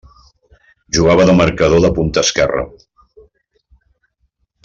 Jugava de marcador de punta esquerra.